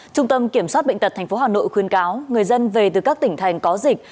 trung tâm kiểm soát bệnh tật tp hà nội khuyên cáo người dân về từ các tỉnh thành có dịch